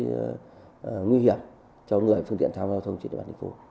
nó sẽ gây tiềm mận những nguy hiểm cho người và phương tiện thao giao thông